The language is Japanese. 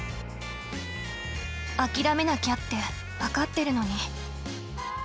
諦めなきゃって分かってるのに。